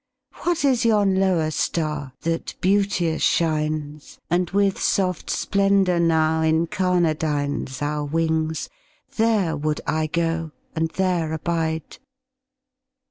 What is yon lower star that beauteous shines And with soft splendor now incarnadines Our wings? There would I go and there abide."